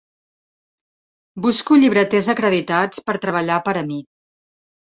Busco llibreters acreditats per treballar per a mi.